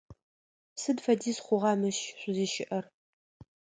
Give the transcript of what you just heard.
Сыд фэдиз хъугъа мыщ шъузыщыӏэр?